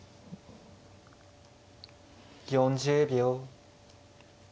４０秒。